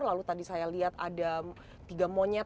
lalu tadi saya lihat ada tiga monyet